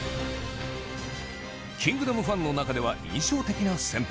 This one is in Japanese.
『キングダム』ファンの中では印象的な戦法